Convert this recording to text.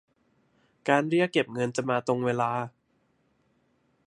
การเรียกเก็บเงินจะมาตรงเวลา